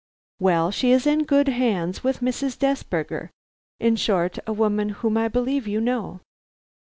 Well, she is in good hands; with Mrs. Desberger, in short; a woman whom I believe you know."